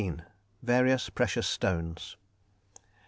VARIOUS PRECIOUS STONES.